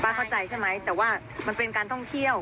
เข้าใจใช่ไหมแต่ว่ามันเป็นการท่องเที่ยว